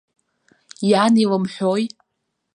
Иан илымҳәои.